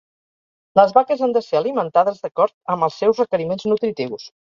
Les vaques han de ser alimentades d'acord amb els seus requeriments nutritius.